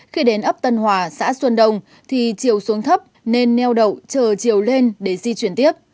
khi đến ấp tân hòa xã xuân đông thì chiều xuống thấp nên neo đậu chờ chiều lên để di chuyển tiếp